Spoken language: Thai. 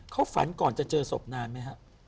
เขาฝันก่อนจะเจอศพนานไหมครับ